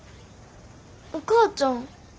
お母ちゃん。